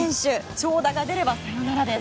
長打が出ればサヨナラです。